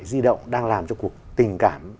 di động đang làm cho cuộc tình cảm